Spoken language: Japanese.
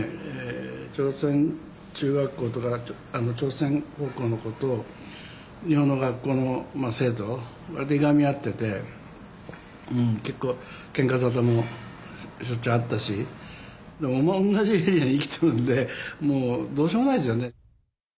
朝鮮中学校とか朝鮮高校の子と日本の学校の生徒わりといがみ合ってて結構けんか沙汰もしょっちゅうあったし同じエリアに生きとるんでもうどうしようもないですよね。